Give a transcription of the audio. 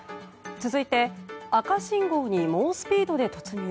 続いて赤信号に猛スピードで突入。